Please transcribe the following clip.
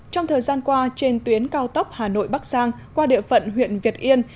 trong thời gian qua trên tuyến cao tốc hà nội bắc giang qua địa phận huyện việt yên